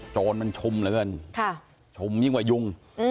โจรมันชุมเหลือเกินชุมยิ่งกว่ายุง